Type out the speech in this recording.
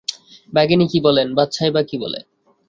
বাঘিনী কী বলেন, বাচ্ছাই বা কী বলে।